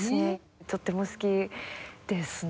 とっても好きですね。